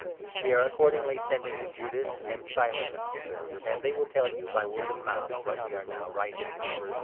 We are accordingly sending Judas and Silas, and 27 they will tell you by word of mouth what we are now writing.